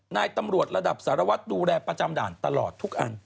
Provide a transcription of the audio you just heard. นายตำรวจระดับสารวัตรดูแลประจำด่านตลอดทุกอัน